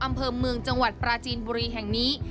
อำเภอเมืองจังหวัดปราจีนบุรีแห่งนี้